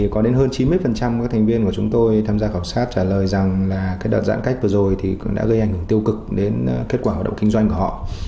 có đến hơn chín mươi của các thành viên của chúng tôi tham gia khảo sát trả lời rằng đợt giãn cách vừa rồi đã gây ảnh hưởng tiêu cực đến kết quả hoạt động kinh doanh